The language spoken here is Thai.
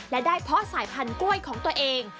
และได้เพาะสายพันธุ์กล้วยของตัวเอง